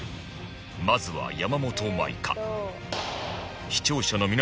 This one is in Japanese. まずは山本舞香